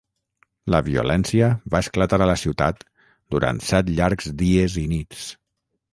La violència va esclatar a la ciutat durant set llargs dies i nits.